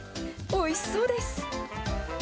おいしそうです。